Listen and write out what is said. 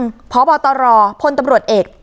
แล้วก็ไปซ่อนไว้ในคานหลังคาของโรงรถอีกทีนึง